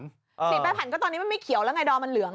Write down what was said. สีแปรผันก็ตอนนี้มันไม่เขียวแล้วไงดอมมันเหลือง